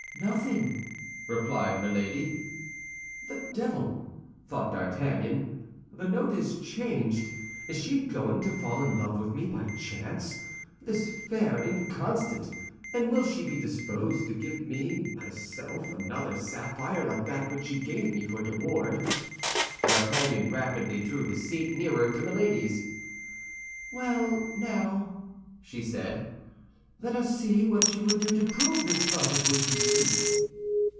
"Nothing," replied Milady. "The devil!" thought D'Artagnan. "The note is changed. Is she going to fall in love with me, by chance, this fair inconstant; and will she be disposed to give me myself another sapphire like that which she gave me for De Wardes?" D'Artagnan rapidly drew his seat nearer to Milady's. "Well, now," she said, "let us see what you would do to prove this love of which you speak."